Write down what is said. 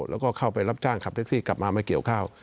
แล้วก็เข้าไปรับจ้างขับแท็กซี่กลับมามาเกี่ยวข้าว